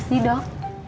terima kasih dok